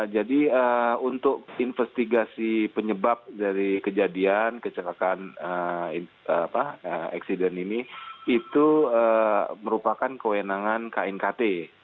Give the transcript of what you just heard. jadi untuk investigasi penyebab dari kejadian kecelakaan eksiden ini itu merupakan kewenangan knkt